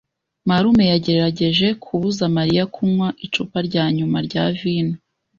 Marume yagerageje kubuza Mariya kunywa icupa rya nyuma rya vino.